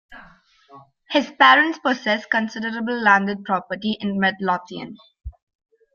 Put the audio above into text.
His parents possessed considerable landed property in Midlothian.